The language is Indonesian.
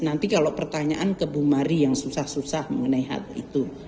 nanti kalau pertanyaan ke bu mari yang susah susah mengenai hal itu